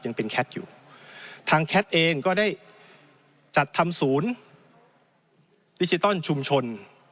ยังเป็นแคทอยู่ทางแคทเองก็ได้จัดทำศูนย์ดิจิตอลชุมชน